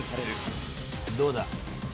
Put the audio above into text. どうだ？